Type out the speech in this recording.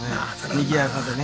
にぎやかでね。